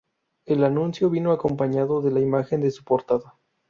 El anuncio vino acompañado de la imagen de su portada.